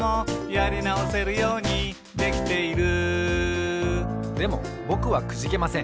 「やりなおせるようにできている」でもぼくはくじけません。